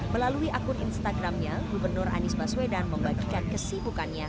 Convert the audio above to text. melalui akun instagramnya gubernur anies baswedan membagikan kesibukannya